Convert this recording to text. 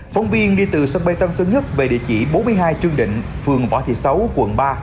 phóng viên đi từ sân bay tân sơn nhất về địa chỉ bốn mươi hai trương định phường võ thị sáu quận ba